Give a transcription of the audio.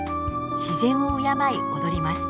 自然を敬い踊ります。